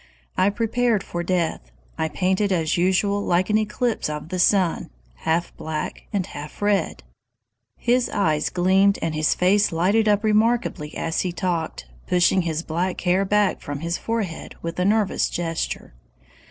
"I prepared for death. I painted as usual like an eclipse of the sun, half black and half red." His eyes gleamed and his face lighted up remarkably as he talked, pushing his black hair back from his forehead with a nervous gesture.